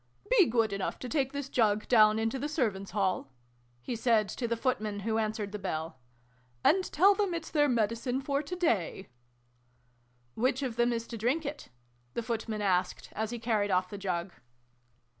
Be good enough to take this jug, down into the Servants' Hall," he said to the footman who answered the bell :" and tell them it's their Medicine for today" 11 Which of them is to drink it ?" the foot man asked, as he carried off the jug.